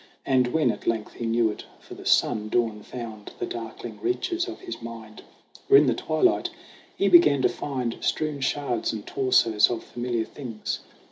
And when at length he knew it for the sun, Dawn found the darkling reaches of his mind, Where in the twilight he began to find Strewn shards and torsos of familiar things.